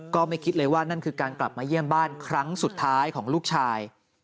ก็ไม่คิดเลยว่านั่นคือการกลับมาเยี่ยมบ้านครั้งสุดท้ายของลูกชาย